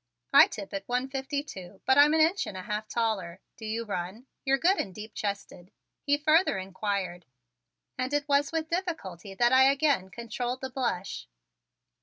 "I tip at one fifty two, but I'm an inch and a half taller. Do you run? You're good and deep chested," he further inquired and it was with difficulty that I again controlled the blush.